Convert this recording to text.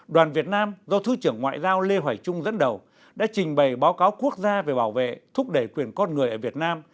đoàn việt nam do thứ trưởng ngoại giao lê hoài trung dẫn đầu đã trình bày báo cáo quốc gia về bảo vệ thúc đẩy quyền con người ở việt nam